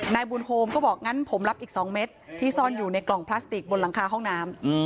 นายบุญโฮมก็บอกงั้นผมรับอีก๒เม็ดที่ซ่อนอยู่ในกล่องพลาสติกบนหลังคาห้องน้ำ